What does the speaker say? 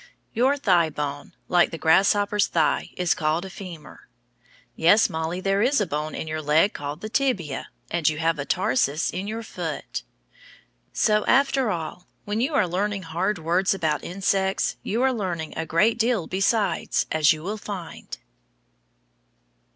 Your thigh bone, like the grasshopper's thigh, is called a femur. Yes, Mollie, there is a bone in your leg called the tibia, and you have a tarsus in your foot. So, after all, when you are learning hard words about insects you are learning a great deal besides, as you will find.